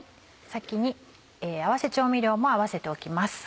先に合わせ調味料も合わせておきます。